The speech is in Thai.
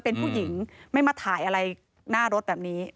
เป็นผู้หญิงไม่มาถ่ายอะไรหน้ารถแบบนี้